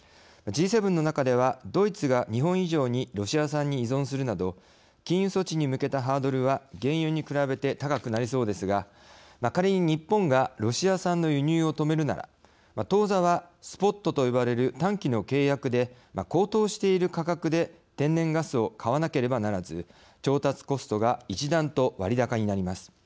Ｇ７の中ではドイツが日本以上にロシア産に依存するなど禁輸措置に向けたハードルは原油に比べて高くなりそうですが仮に日本がロシア産の輸入を止めるなら当座はスポットと呼ばれる短期の契約で高騰している価格で天然ガスを買わなければならず調達コストが一段と割高になります。